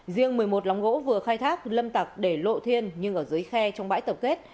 riêng một mươi một lóng gỗ vừa khai thác lâm tặc để lộ thiên nhưng ở dưới khe trong bãi tập kết